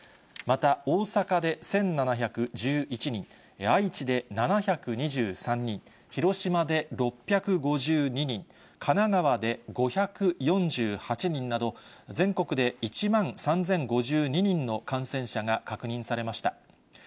また、大阪で１７１１人、愛知で７２３人、広島で６５２人、神奈川で５４８人など、全国で１万３０５２人の感染者が確認されました。